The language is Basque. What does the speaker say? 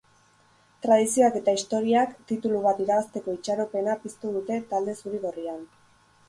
Tradizioak eta historiak titulu bat irabazteko itxaropena piztu dute talde zuri-gorrian.